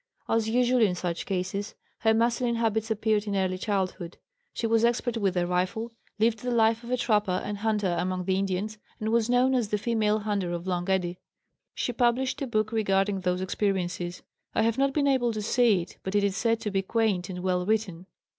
As usual in such cases, her masculine habits appeared in early childhood. She was expert with the rifle, lived the life of a trapper and hunter among the Indians, and was known as the "Female Hunter of Long Eddy." She published a book regarding those experiences. I have not been able to see it, but it is said to be quaint and well written.